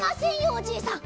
おじいさん。